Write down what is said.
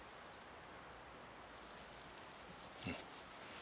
うん。